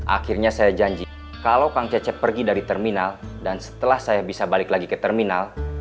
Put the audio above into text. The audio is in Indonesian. akhirnya saya janji kalau kang cecep pergi dari terminal dan setelah saya bisa balik lagi ke terminal